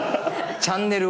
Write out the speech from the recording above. チャンネルを。